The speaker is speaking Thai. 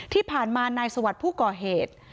ที่ผ่านมานายสวัสดิ์ผู้ก่อเหตุ